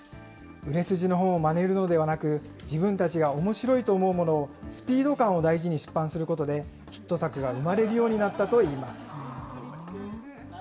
売れ筋の本をまねるのではなく、自分たちがおもしろいと思うものを、スピード感を大事に出版することで、ヒット作が生まれるようになったといいます。